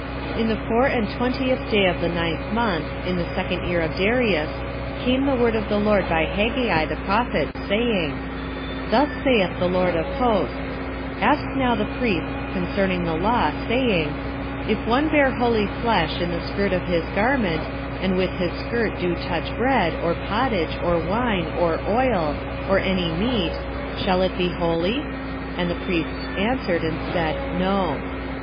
2:10 In the four and twentieth day of the ninth month, in the second year of Darius, came the word of the LORD by Haggai the prophet, saying, 2:11 Thus saith the LORD of hosts; Ask now the priests concerning the law, saying, 2:12 If one bear holy flesh in the skirt of his garment, and with his skirt do touch bread, or pottage, or wine, or oil, or any meat, shall it be holy? And the priests answered and said, No.